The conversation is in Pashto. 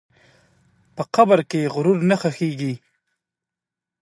په قبر کې غرور نه ښخېږي.